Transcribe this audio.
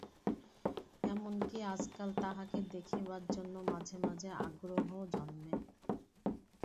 এমনকি, আজকাল তাহাকে দেখিবার জন্য মাঝে মাঝে আগ্রহও জন্মে।